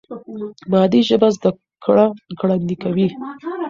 مادي ژبه زده کړه ګړندۍ کوي.